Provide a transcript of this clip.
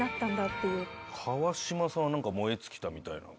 川島さんは何か燃え尽きたみたいなの？